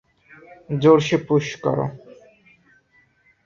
জোরসে পুশ কর!